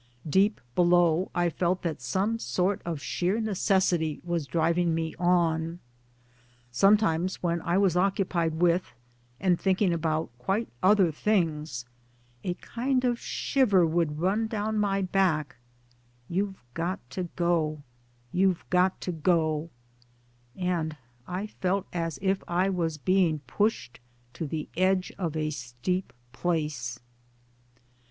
Deep below I felt that some sort of sheer necessity was driving me on. Sometimes when I was occupied with, and thinking about, quite other things, a kind of shiver would run down my back :' You've got to go, you've got to go," and I felt as if I was being pushed to the edge of a steep place.